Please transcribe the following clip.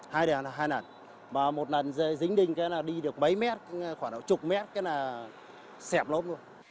hai đường là hai lần mà một lần dính đinh cái là đi được mấy mét khoảng chục mét cái là xẹp lốp luôn